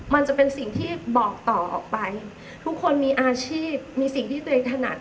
มันจะเป็นสิ่งที่บอกต่อออกไปทุกคนมีอาชีพมีสิ่งที่ตัวเองถนัด